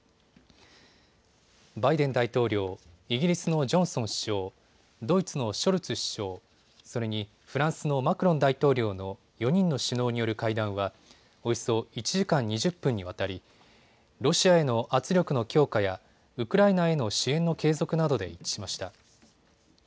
バイデン大統領、イギリスのジョンソン首相、ドイツのショルツ首相、それにフランスのマクロン大統領の４人の首脳による会談はおよそ１時間２０分にわたり、ロシアへの圧力の強化やウクライナへの支援の継続などで一致しました。